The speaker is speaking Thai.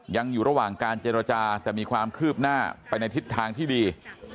ยังอยู่ระหว่างการเจรจาแต่มีความคืบหน้าไปในทิศทางที่ดี